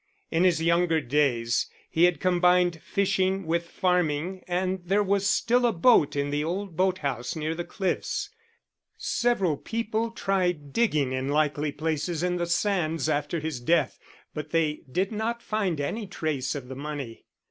In his younger days he had combined fishing with farming, and there was still a boat in the old boat house near the cliffs. Several people tried digging in likely places in the sands after his death, but they did not find any trace of the money.